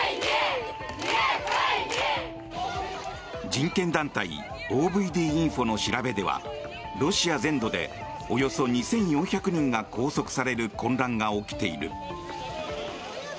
人権団体ＯＶＤインフォの調べではロシア全土でおよそ２４００人が拘束される混乱が起きている。